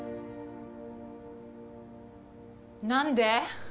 何で？